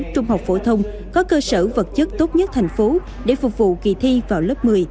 trung học phổ thông có cơ sở vật chất tốt nhất thành phố để phục vụ kỳ thi vào lớp một mươi